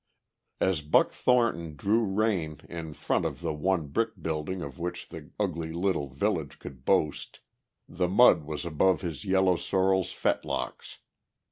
As Buck Thornton drew rein in front of the one brick building of which the ugly little village could boast, the mud was above his yellow sorrel's fetlocks.